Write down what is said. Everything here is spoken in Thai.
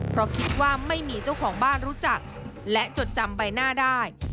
เพราะคิดว่าไม่มีเจ้าของบ้านรู้จักและจดจำใบหน้าได้